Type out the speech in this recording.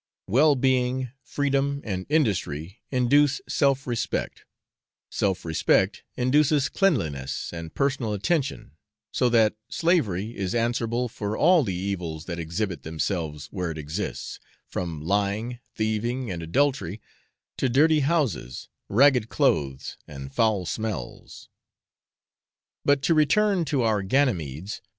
Well being, freedom, and industry induce self respect, self respect induces cleanliness and personal attention, so that slavery is answerable for all the evils that exhibit themselves where it exists from lying, thieving, and adultery, to dirty houses, ragged clothes, and foul smells. But to return to our Ganymedes.